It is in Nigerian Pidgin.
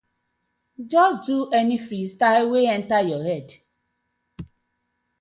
Just do any freestyle wey enter yur head.